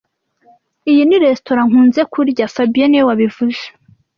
Iyi ni resitora nkunze kurya fabien niwe wabivuze